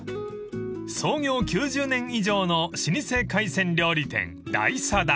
［創業９０年以上の老舗海鮮料理店大定］